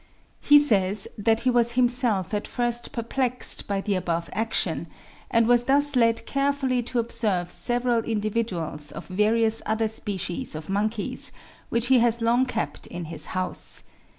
He says that he was himself at first perplexed by the above action, and was thus led carefully to observe several individuals of various other species of monkeys, which he has long kept in his house.